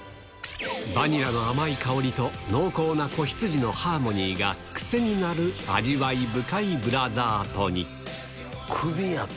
バニラの甘い香りと濃厚な子羊のハーモニーが癖になる味わい深いクビやって。